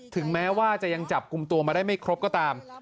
ถึงแม้ว่าจะยังจับกลุ่มตัวมาได้ไม่ครบก็ตาม